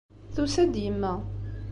Tusa-d yemma.